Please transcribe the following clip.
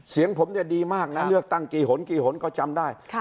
เสียงผมเนี่ยดีมากนะเลือกตั้งกี่หนกี่หนก็จำได้